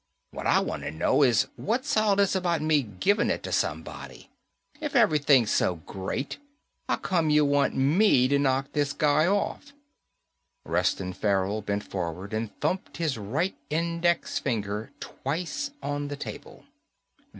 What I wanta know is what's all this about me giving it ta somebody? If everything's so great, how come you want me to knock this guy off?" Reston Farrell bent forward and thumped his right index finger twice on the table.